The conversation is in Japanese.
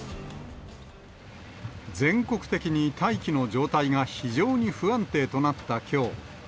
全国的に大気の状態が非常に不安定となったきょう。